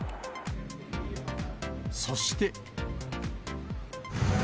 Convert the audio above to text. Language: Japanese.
そして。